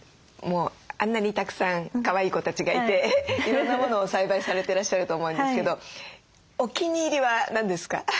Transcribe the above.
もうあんなにたくさんかわいい子たちがいていろんなものを栽培されてらっしゃると思うんですけどお気に入りは何ですか？